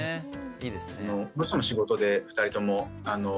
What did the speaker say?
いいですね。